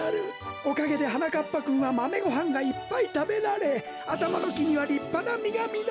おかげではなかっぱくんはマメごはんがいっぱいたべられあたまのきにはりっぱなみがみのる。